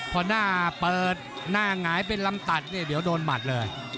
พอหน้าเปิดหน้าหงายเป็นลำตัดเนี่ยเดี๋ยวโดนหมัดเลย